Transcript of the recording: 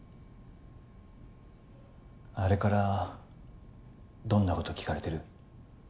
あれからどんなこと聞かれてる？